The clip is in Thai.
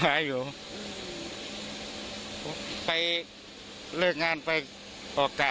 ก็รู้เห็นพื้นผมก็หลบหลัง